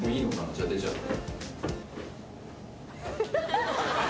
じゃあ出ちゃって。